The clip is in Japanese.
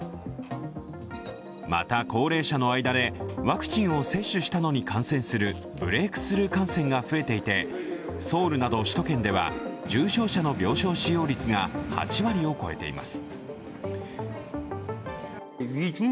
また高齢者の間でワクチンを接種したのに感染する、ブレークスルー感染が増えていてソウルなど首都圏では重症者の病床使用率が８割を超えています。